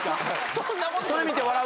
そんなこと？